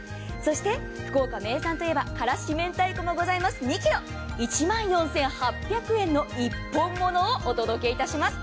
福岡名産といえば、辛子明太子もございます、２ｋｇ１万４８００円の一本物をお届けいたします。